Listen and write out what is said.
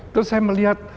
terus saya melihat